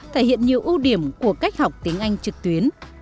thể hiện nhiều ưu điểm của cách học tiếng anh trực tuyến